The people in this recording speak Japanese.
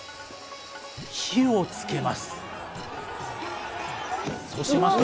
火をつけます。